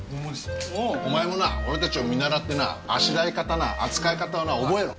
お前もな俺たちを見習ってなあしらい方扱い方を覚えろ。